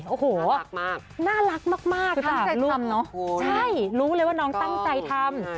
โอ้โหน่ารักมากตั้งใจทำเนอะใช่รู้เลยว่าน้องตั้งใจทำ